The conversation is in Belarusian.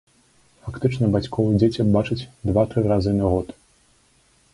Фактычна бацькоў дзеці бачаць два-тры разы на год.